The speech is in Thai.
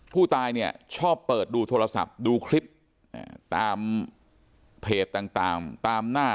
ผู้ตายเนี่ยชอบเปิดดูโทรศัพท์ดูคลิปตามเพจต่างตามหน้า